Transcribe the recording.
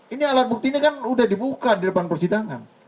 ini alat bukti ini kan udah dibuka di depan persidangan